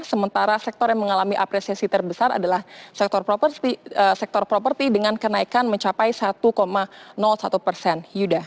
sementara sektor yang mengalami apresiasi terbesar adalah sektor properti dengan kenaikan mencapai satu satu persen